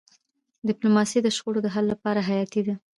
ډيپلوماسي د شخړو د حل لپاره حیاتي ده.